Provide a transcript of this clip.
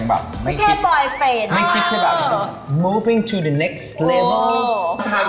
ถ้าคนที่ใช่ก็ไม่ต้องใช้เวลานะใช่ไหม